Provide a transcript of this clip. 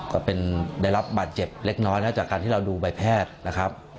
ก็เป็นได้รับบาดเจ็บเล็กน้อยนะจากการที่เราดูใบแพทย์นะครับ